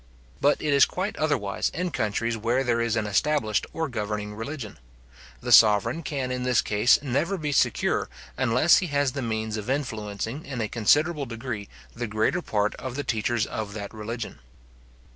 But it is quite otherwise in countries where there is an established or governing religion. The sovereign can in this case never be secure, unless he has the means of influencing in a considerable degree the greater part of the teachers of that religion.